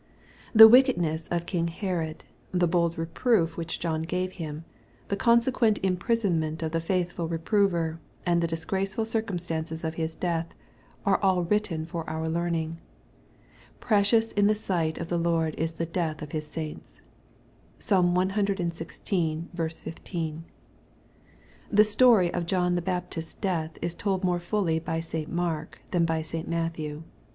The wickedness of king Herod, the bold reproof which John gave him, the consequent imprisonment of the faithful reprover, and the disgraceful circumstances of his death, are all written for our learning. " Precious in the sight of the Lord is the death of his saints.'' (Psalm cxvi. 15.) The story of John the Baptist's death is told more fully by St. Mark than by St. Matthew.